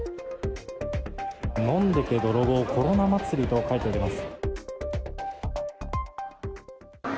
飲んでけドロボーコロナ祭り！と書いてあります。